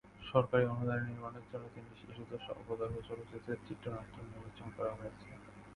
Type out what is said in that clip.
সরকারি অনুদানে নির্মাণের জন্য তিনটি শিশুতোষ স্বল্পদৈর্ঘ্য চলচ্চিত্রের চিত্রনাট্য নির্বাচন করা হয়েছে।